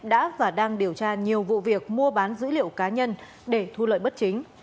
đã và đang điều tra nhiều vụ việc mua bán dữ liệu cá nhân để thu lợi bất chính